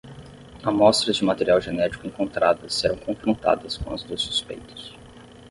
Amostras de material genético encontradas serão confrontadas com as dos suspeitos